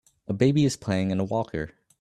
A baby is playing in a walker